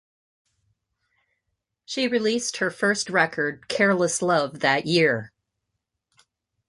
She released her first record "Careless Love" that year.